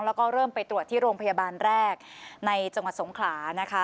แล้วก็เริ่มไปตรวจที่โรงพยาบาลแรกในจังหวัดสงขลานะคะ